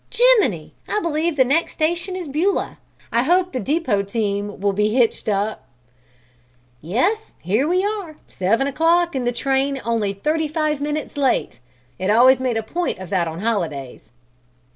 Jiminy! I believe the next station is Beulah. I hope the depot team will be hitched up." "Yes, here we are; seven o'clock and the train only thirty five minutes late. It always made a point of that on holidays!"